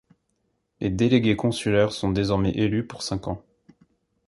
Les délégués consulaires sont désormais élus pour cinq ans.